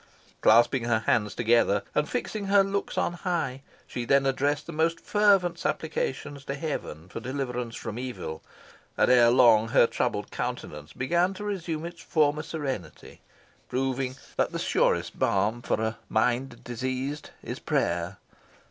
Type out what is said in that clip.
Clasping her hands together, and fixing her looks on high she then addressed the most fervent supplications to Heaven for deliverance from evil, and erelong her troubled countenance began to resume its former serenity, proving that the surest balm for a "mind diseased" is prayer.